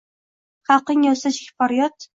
Xalqing yotsa chekib faryod